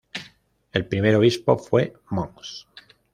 El primer obispo fue Mons.